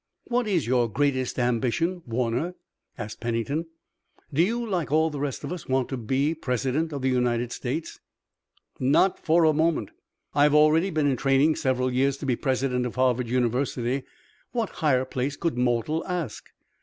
"What is your greatest ambition, Warner?" asked Pennington. "Do you, like all the rest of us, want to be President of the United States?" "Not for a moment. I've already been in training several years to be president of Harvard University. What higher place could mortal ask?